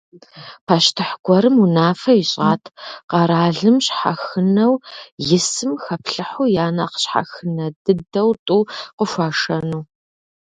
Пащтыхь гуэрым унафэ ищӏат: къэралым щхьэхынэу исым хэплъыхьу я нэхъ щхьэхынэ дыдэу тӏу къыхуашэну.